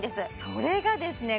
それがですね